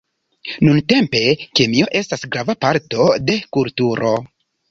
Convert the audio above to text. Nuntempe kemio estas grava parto de kulturo.